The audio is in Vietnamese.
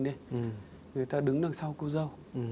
người ta đứng đằng sau cô dâu